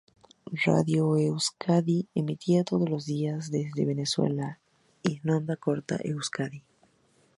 Radio Euzkadi emitía todos los días desde Venezuela y en onda corta Radio Euzkadi.